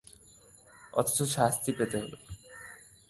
অথচ শাস্তি পেতে হল।